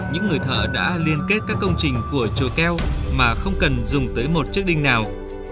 những người thợ đã liên kết các công trình của chùa keo mà không cần dùng tới một chiếc đinh nào